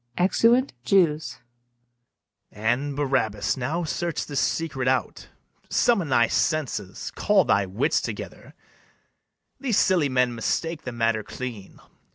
[Exeunt JEWS.] And, Barabas, now search this secret out; Summon thy senses, call thy wits together: These silly men mistake the matter clean.